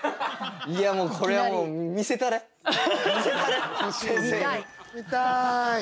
いやもうこれはもう見たい！